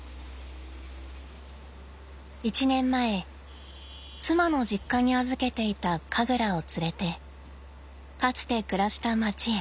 １年前妻の実家に預けていたカグラを連れてかつて暮らした街へ。